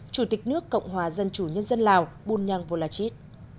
chủ tịch nước cộng hòa dân chủ nhân dân lào bunyang volachit